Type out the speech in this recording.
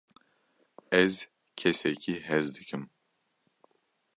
ez kesekî hez dikim